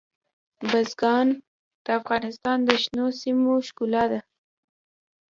بزګان د افغانستان د شنو سیمو ښکلا ده.